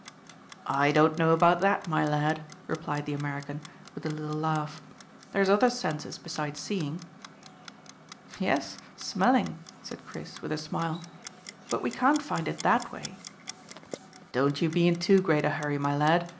"I don't know about that, my lad," replied the American, with a little laugh. "There's other senses besides seeing." "Yes, smelling," said Chris, with a smile; "but we can't find it that way." "Don't you be in too great a hurry, my lad.